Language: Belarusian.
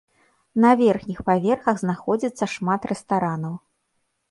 На верхніх паверхах знаходзіцца шмат рэстаранаў.